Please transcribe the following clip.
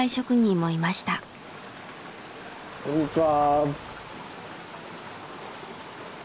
こんにちは。